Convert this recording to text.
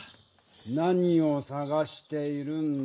何を探しているんだ？